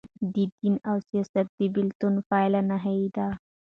د دین او سیاست د بیلتون پایلي نهه دي.